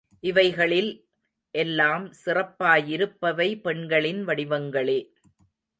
இவைகளில் எல்லாம் சிறப்பாயிருப்பவை பெண்களின் வடிவங்களே.